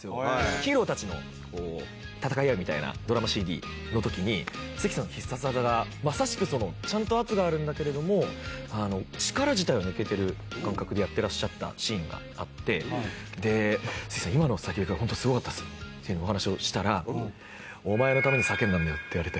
ヒーローたちの戦いがあるみたいなドラマＣＤの時に関さんの必殺技がまさしくそのちゃんと圧があるんだけれども力自体は抜けてる感覚でやってらっしゃったシーンがあってで「関さん今の叫び声ホントすごかったっす」っていうのをお話しをしたら「お前のために叫んだんだよ」って言われて。